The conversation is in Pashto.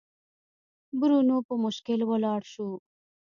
برونو په مشکل ولاړ شو.